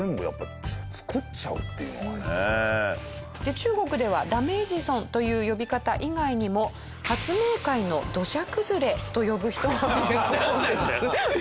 中国では「ダメエジソン」という呼び方以外にも「発明界の土砂崩れ」と呼ぶ人もいるそうです。